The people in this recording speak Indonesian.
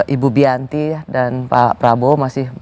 ibu bianti dan pak prabowo masih